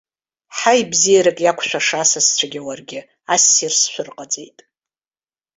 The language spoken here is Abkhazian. Ҳаи, бзиарак иақәшәаша асасцәагьы уаргьы, ассир сшәырҟаҵеит.